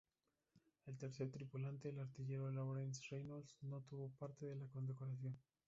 El tercer tripulante, el artillero Lawrence Reynolds, no tuvo parte de la condecoración.